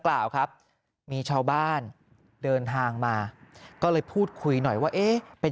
กล่าวครับมีชาวบ้านเดินทางมาก็เลยพูดคุยหน่อยว่าเอ๊ะไป